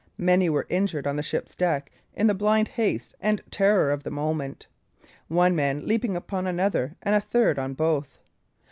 Many were injured on the ship's deck in the blind haste and terror of the moment, one man leaping upon another, and a third on both.